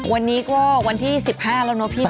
วันนี้ก็วันที่๑๕แล้วเนอะพี่